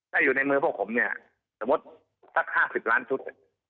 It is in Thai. ถ้าอยู่ในมือพวกผมเนี่ยสมมุติสัก๕๐ล้านชุด